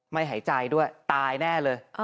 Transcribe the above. ไม่หายใจด้วยตายแน่เลย